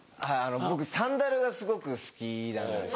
僕サンダルがすごく好きなんですよ。